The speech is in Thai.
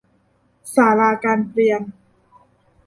ศาลาการเปรียญ